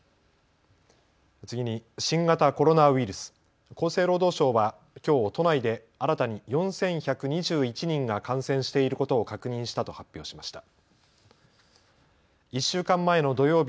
次に、新型コロナウイルス、厚生労働省はきょう都内で新たに４１２１人が感染していることを確認したと発表しました。